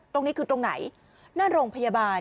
ตรงนี้คือตรงไหนหน้าโรงพยาบาล